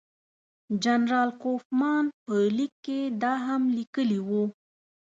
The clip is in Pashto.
جنرال کوفمان په لیک کې دا هم لیکلي وو.